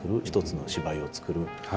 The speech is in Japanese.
一つの芝居を作る。